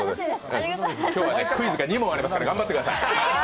今日はクイズが２問ありますから頑張ってください。